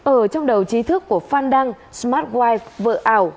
ở trong đầu trí thức của phan đăng smart wife vợ ảo